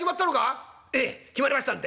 「ええ決まりましたんで」。